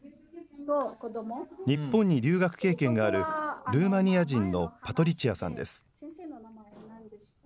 日本に留学経験があるルーマニア人のパトリチアさんです。